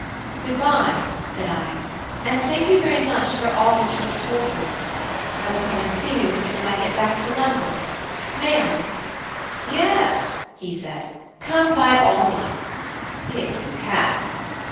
"Good bye," said I, "and thank you very much for all that you have told me. I will come and see you as soon as I come back to London. May I?" "Yes," he said, "come by all means if you can."